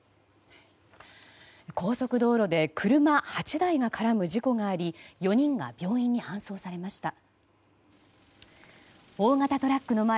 高速道路で車８台が絡む事故があり４人が病院に搬送されました。